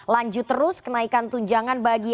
lanjut terus kenaikan tunjangan bagi